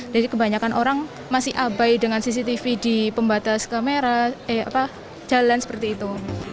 jadi kebanyakan orang masih abai dengan cctv di pembatas kamera jalan seperti itu